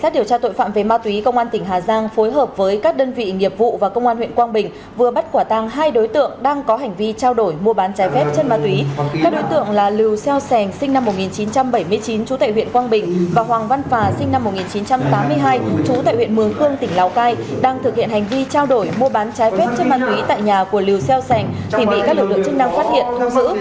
đang thực hiện hành vi trao đổi mua bán trái vết trên màn tủy tại nhà của liều xeo sảnh thì bị các lực lượng chức năng phát hiện thu giữ